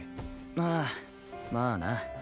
ああまあな。